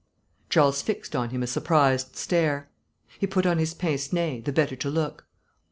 Charles fixed on him a surprised stare. He put on his pince nez, the better to look.